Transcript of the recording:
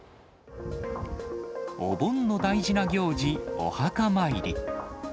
お盆の大事な行事、お墓参り。